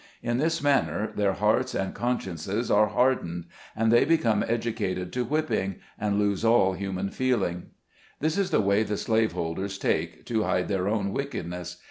In this manner, their hearts and consciences are hardened, COLORED DRIVERS. 213 and they become educated to whipping, and lose all human feeling. This is the way the slave holders take to hide their own wickedness.